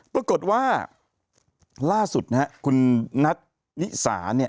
ปรากฏว่าล่าสุดนะฮะคุณนัทนิสาเนี่ย